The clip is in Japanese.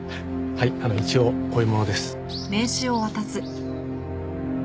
はいあの一応こういう者です。